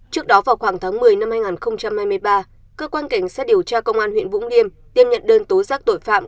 trước đó vào khoảng tháng một mươi năm hai nghìn hai mươi ba cơ quan cảnh sát điều tra công an huyện vũng liêm tiếp nhận đơn tố giác tội phạm